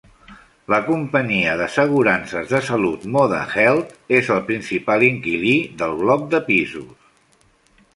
La companyia d'assegurances de salut Moda Health és el principal inquilí del bloc de pisos.